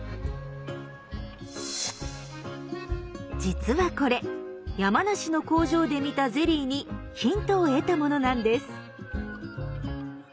実はこれ山梨の工場で見たゼリーにヒントを得たものなんです。